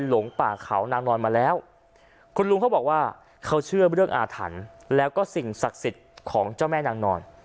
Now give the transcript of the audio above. หลงป่าเขานางนอนมาแล้วคุณลุงเขาบอกว่าเขาเชื่อเรื่องอาถรรพ์แล้วก็สิ่งศักดิ์สิทธิ์ของเจ้าแม่นางนอน